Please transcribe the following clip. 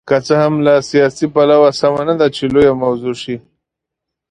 که څه هم له سیاسي پلوه سمه نه ده چې لویه موضوع شي.